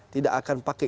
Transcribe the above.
tidak akan pakai